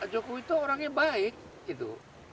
jokowi itu orangnya baik gitu